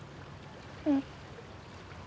うん。